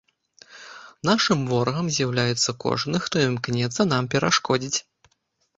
Нашым ворагам з'яўляецца кожны, хто імкнецца нам перашкодзіць.